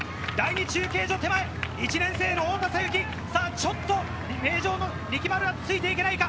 第２中継所手前、１年生の太田咲雪、ちょっと名城の力丸がついて行けないか？